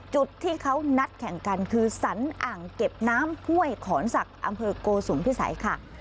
จุดที่เขานัดแข่งกันคือสรรอ่างเก็บน้ำห้วยขอนศักดิ์อำเภอโกสุมพิสัยค่ะ